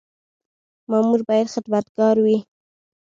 مامور باید خدمتګار وي